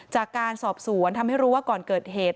จากการสอบสวนทำให้รู้ว่าก่อนเกิดเหตุ